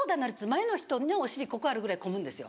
前の人のお尻ここあるぐらい混むんですよ。